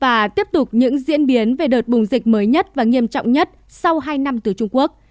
và tiếp tục những diễn biến về đợt bùng dịch mới nhất và nghiêm trọng nhất sau hai năm từ trung quốc